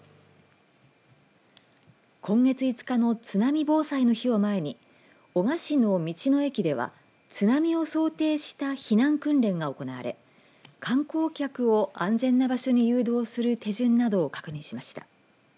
今月５日の津波防災の日を前に男鹿市の道の駅では津波を想定した避難訓練が行われ観光客を安全な場所に誘導する手順などを確認しました。